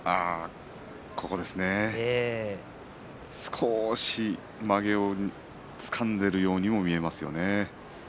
少しまげをつかんでいるように見えますね。